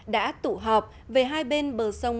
đã tụ họp về hai bên bờ sông